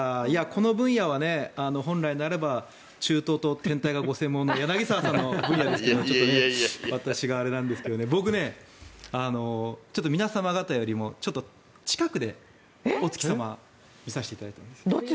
この分野は本来ならば中東と天体がご専門の柳澤さんの分野なんですが私があれなんですけど僕、皆様方よりもちょっと近くでお月様見させていただいたんです。